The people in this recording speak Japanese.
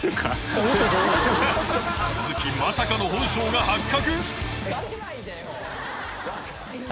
鈴木まさかの本性が発覚？